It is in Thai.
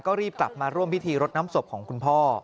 ก็รีบกลับมาร่วมพิธีรดน้ำศพของคุณพ่อ